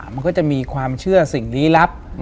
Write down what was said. มันก็จะมีความเชื่อสิ่งลี้ลับ